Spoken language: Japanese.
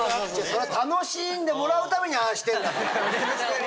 それは楽しんでもらうためにああしてんだから。